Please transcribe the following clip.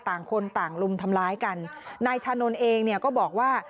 ต่างคนต่างลุมทำร้ายกันนายชานนท์เองเนี่ยก็บอกว่า